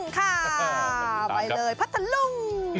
ค่ะไปเลยพัทธลุง